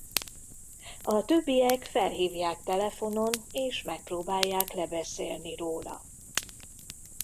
A többiek felhívják telefonon és megpróbálják lebeszélni róla.